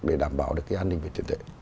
để đảm bảo được cái an ninh về tiền tệ